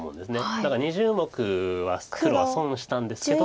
だから２０目は黒は損したんですけど。